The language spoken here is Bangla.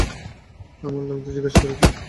আমার লোকদের জিজ্ঞাসা করেছি।